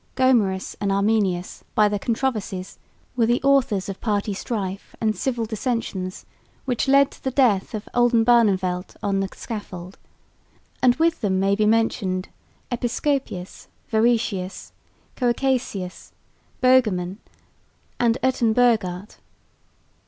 Gomarus and Arminius by their controversies were the authors of party strife and civil dissensions which led to the death of Oldenbarneveldt on the scaffold; and with them may be mentioned Episcopius, Voetius, Coecaeus, Bogerman and Uyttenbogaert.